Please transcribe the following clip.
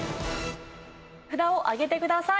札を上げてください。